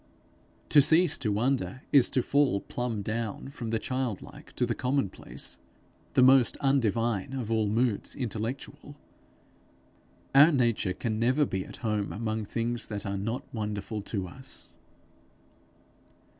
To cease to wonder is to fall plumb down from the childlike to the commonplace the most undivine of all moods intellectual. Our nature can never be at home among things that are not wonderful to us.